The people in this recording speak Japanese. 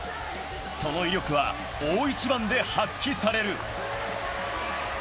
その威力は、大一番で発揮される。